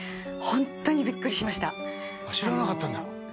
知らなかったんだ。